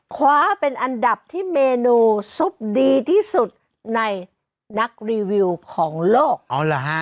คว้าเป็นอันดับที่เมนูซุปดีที่สุดในนักรีวิวของโลก